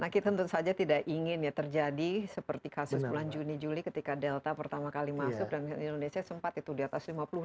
nah kita tentu saja tidak ingin ya terjadi seperti kasus bulan juni juli ketika delta pertama kali masuk dan indonesia sempat itu di atas lima puluh empat